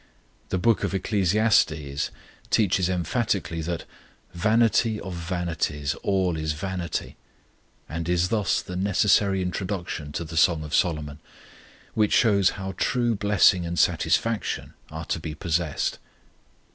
The Book of Ecclesiastes teaches emphatically that "Vanity of vanities, all is vanity": and is thus the necessary introduction to the Song of Solomon, which shows how true blessing and satisfaction are to be possessed.